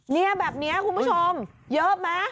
เนี่ยแบบนี้คุณผู้ชมเยอะไหม